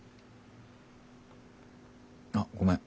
あっごめん。